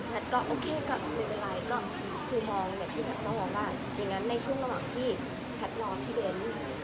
ฉันตอบว่าโอเคก็ไม่เป็นไรซึ่งคือผมมองว่าตอนกระหว่างช่วงที่ฉันรอที่เบ้น